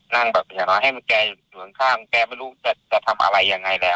นั่งแบบอย่างน้อยให้แกอยู่ข้างแกไม่รู้จะทำอะไรยังไงแหละ